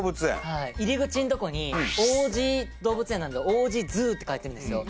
はい入り口のとこに王子動物園なので「ＯＪＩＺＯＯ」って書いてるんですよ